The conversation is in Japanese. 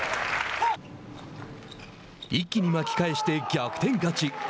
一気に巻き返して逆転勝ち。